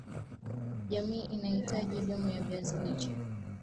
jamii inahitaji elimu ya viazi lishe